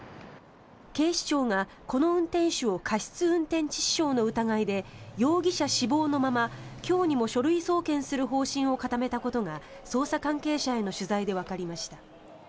警視庁が、この運転手を過失運転致死傷の疑いで容疑者死亡のまま今日にも書類送検する方針を固めたことが捜査関係者への取材でわかりました。